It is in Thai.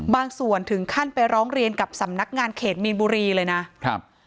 ส่วนถึงขั้นไปร้องเรียนกับสำนักงานเขตมีนบุรีเลยนะครับ